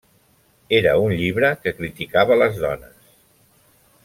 Era un llibre que criticava les dones.